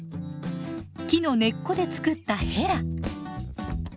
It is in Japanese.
木の根っこで作ったヘラ。